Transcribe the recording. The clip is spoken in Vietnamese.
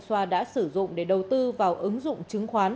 xoa đã sử dụng để đầu tư vào ứng dụng chứng khoán